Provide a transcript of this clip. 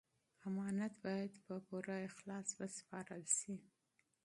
امانت باید په پوره صداقت وسپارل شي.